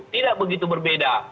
tidak begitu berbeda